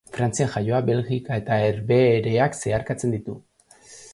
Frantzian jaioa, Belgika eta Herbehereak zeharkatzen ditu.